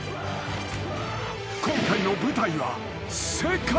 ［今回の舞台は世界］